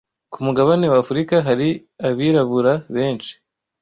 ku mugabane w’Afurika hari abirabura benshi